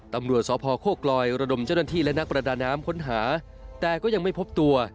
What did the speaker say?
ตำรวจสพโคกลอยระดมเจ้าหน้าที่และนักประดาน้ำค้นหาแต่ก็ยังไม่พบตัว